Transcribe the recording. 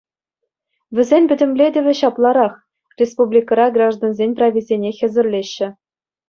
Вӗсен пӗтӗмлетӗвӗ ҫапларах: республикӑра граждансен прависене хӗсӗрлеҫҫӗ.